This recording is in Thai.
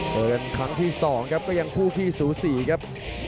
เจอกันครั้งที่สองครับก็ยังคู่ที่สูงสี่ครับ